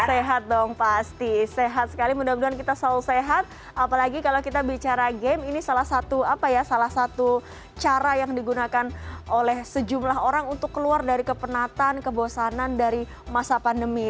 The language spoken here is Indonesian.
sehat dong pasti sehat sekali mudah mudahan kita selalu sehat apalagi kalau kita bicara game ini salah satu cara yang digunakan oleh sejumlah orang untuk keluar dari kepenatan kebosanan dari masa pandemi